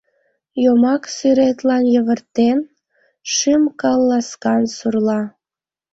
Йомак сӱретлан йывыртен, шӱм-кыл Ласкан сурла.